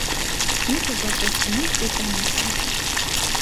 Միսը որպես սնունդ պիտանի չէ։